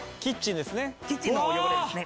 キッチンですね。